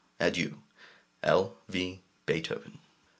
Adieu! L. V. BEETHOVEN.